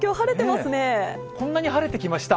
こんなに晴れてきました。